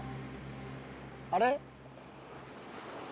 あれ？